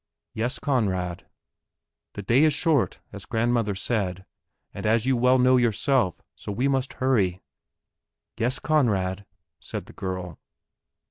"Yes, Conrad." "The day is short, as grandmother said, and as you well know yourself, and so we must hurry." "Yes, Conrad," said the girl.